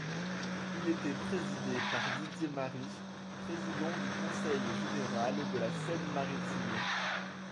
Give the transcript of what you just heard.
Il était présidé par Didier Marie, président du conseil général de la Seine-Maritime.